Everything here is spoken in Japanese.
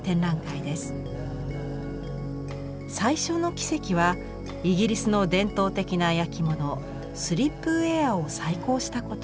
最初の奇跡はイギリスの伝統的な焼き物スリップウェアを再興したこと。